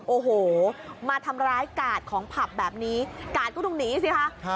โอ้โหมาทำร้ายกาดของผับแบบนี้กาดก็ต้องหนีสิคะ